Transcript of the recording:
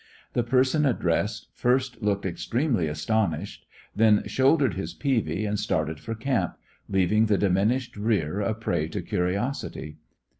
The person addressed first looked extremely astonished; then shouldered his peavy and started for camp, leaving the diminished rear a prey to curiosity.